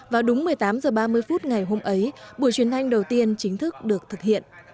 vào đúng một mươi tám h ba mươi phút ngày hôm ấy buổi truyền thanh đầu tiên chính thức được thực hiện